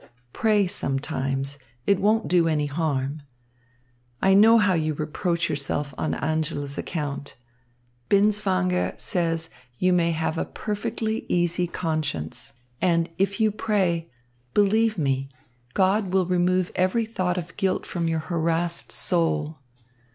Pray sometimes. It won't do any harm. I know how you reproach yourself on Angèle's account. Binswanger says you may have a perfectly easy conscience. And if you pray, believe me, God will remove every thought of guilt from your harassed soul.